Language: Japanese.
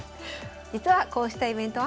実はこうしたイベントは。